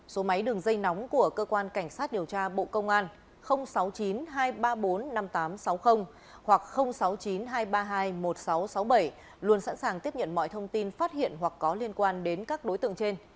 số máy đường dây nóng của cơ quan cảnh sát điều tra bộ công an sáu mươi chín hai trăm ba mươi bốn năm nghìn tám trăm sáu mươi hoặc sáu mươi chín hai trăm ba mươi hai một nghìn sáu trăm sáu mươi bảy luôn sẵn sàng tiếp nhận mọi thông tin phát hiện hoặc có liên quan đến các đối tượng trên